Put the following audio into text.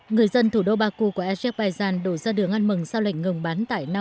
người dân thủ đô baku của azerbaijan đổ ra đường ăn mừng sau lệnh ngừng bắn tại nagorno karabakh